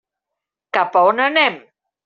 Cap a on anem?